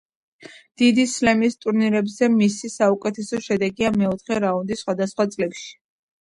დიდი სლემის ტურნირებზე მისი საუკეთესო შედეგია მეოთხე რაუნდი სხვადასხვა წლებში.